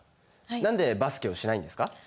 何でバスケをしないんですか？